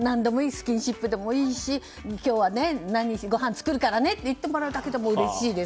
スキンシップでもいいし今日はごはん作るからねと言ってもらうだけでうれしいです。